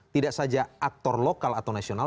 tidak saja aktor lokal atau nasional